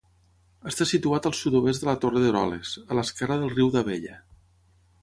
Està situat al sud-oest de la Torre d'Eroles, a l'esquerra del riu d'Abella.